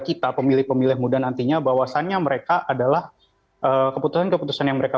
kita pemilih pemilih muda nantinya bahwasannya mereka adalah keputusan keputusan yang mereka